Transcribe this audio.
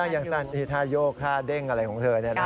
ยังสั้นหลัง